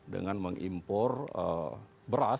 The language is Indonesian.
dengan mengimpor berat